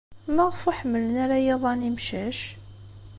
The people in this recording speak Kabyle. Maɣef ur ḥemmlen ara yiḍan imcac?